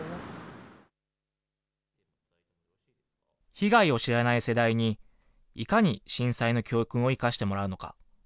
被害を知らない世代に、いかに震災の教訓を生かしてもらうのか。